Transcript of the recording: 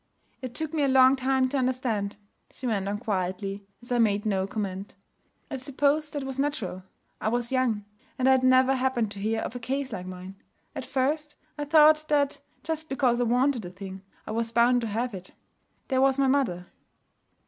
'It took me a long time to understand,' she went on quietly, as I made no comment. 'I suppose that was natural. I was young; and I had never happened to hear of a case like mine. At first, I thought that, just because I wanted a thing, I was bound to have it. There was my mother.'